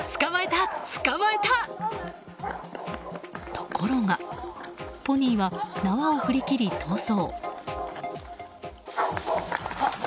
ところがポニーは縄を振り切り逃走。